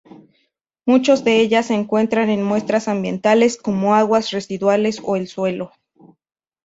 Muchos de ellas se encuentran en muestras ambientales como aguas residuales o el suelo.